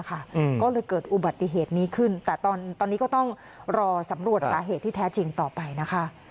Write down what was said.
ก็เลยเกิดอุบัติเหตุนี้ขึ้นแต่ตอนนี้ก็ต้องรอสำรวจสาเหตุที่แท้จริงต่อไปนะคะ